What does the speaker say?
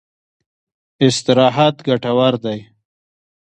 استراحت ګټور دی.